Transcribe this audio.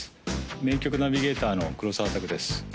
名曲ナビゲーターの黒澤拓です